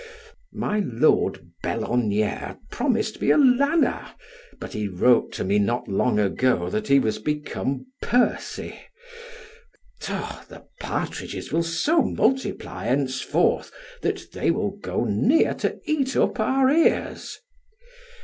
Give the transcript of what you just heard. My Lord Belloniere promised me a lanner, but he wrote to me not long ago that he was become pursy. The partridges will so multiply henceforth, that they will go near to eat up our ears.